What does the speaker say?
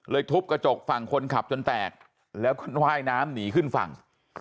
ทุบกระจกฝั่งคนขับจนแตกแล้วก็ว่ายน้ำหนีขึ้นฝั่ง